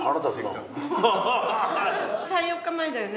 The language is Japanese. ３４日前だよね？